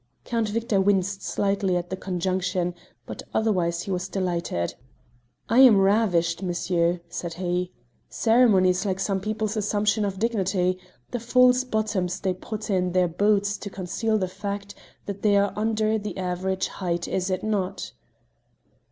Count Victor winced slightly at the conjunction, but otherwise he was delighted. "I am ravished, monsieur!" said he. "Ceremony is like some people's assumption of dignity the false bottoms they put in their boots to conceal the fact that they are under the average height, is it not?"